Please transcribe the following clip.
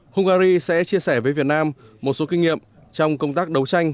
hungary sẽ chia sẻ với việt nam một số kinh nghiệm trong công tác đấu tranh